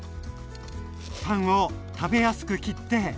パンを食べやすく切って。